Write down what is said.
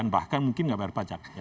bahkan mungkin nggak bayar pajak